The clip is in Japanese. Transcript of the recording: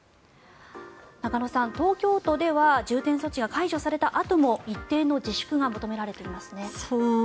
中野さん、東京都では重点措置が解除されたあとも一定の自粛が求められていますね。